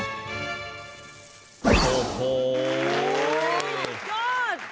ยูท